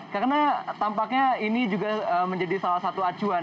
karena tampaknya ini juga menjadi salah satu acuan